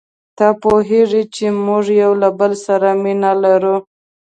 ته پوهیږې چي موږ یو له بل سره مینه لرو.